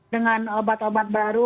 dengan obat obat baru